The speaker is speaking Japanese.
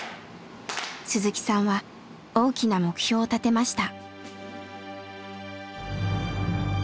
鈴木さんは大きな目標を立てました。